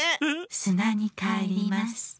すなにかえります。